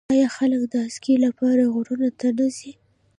آیا خلک د اسکی لپاره غرونو ته نه ځي؟